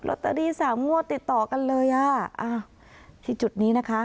ตเตอรี่สามงวดติดต่อกันเลยอ่ะอ้าวที่จุดนี้นะคะ